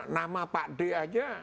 nama pak dek aja